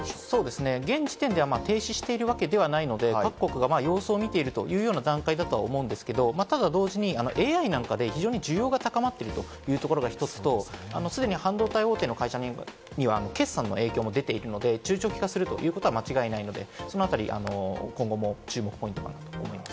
現時点では停止しているわけではないので、各国が様子を見ているというような段階だと思うんですけれども、ただ同時にＡＩなんかで非常に需要が高まっているというところが１つと、半導体大手の会社には決算の影響も出ているので中長期化することは間違いないので、そのあたり今後も注目ポイントになると思います。